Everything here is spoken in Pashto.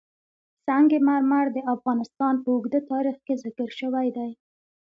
سنگ مرمر د افغانستان په اوږده تاریخ کې ذکر شوی دی.